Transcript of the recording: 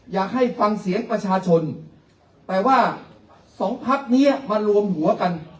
อยากให้ฟังเสียงประชาชนแต่ว่าสองพักนี้มารวมหัวกัน